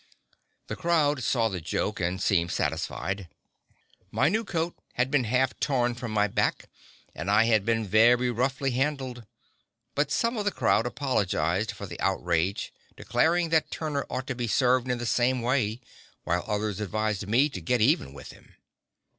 The crowd saw the joke and seemed satisfied. My new coat had been half torn from my back and I had been very roughly handled. But some of the crowd apologized for the outrage, declaring that Turner ought to be served in the same way, while others advised me to "get even with him."